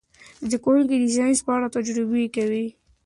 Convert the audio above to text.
زده کوونکي د ساینس په اړه تجربې کوي.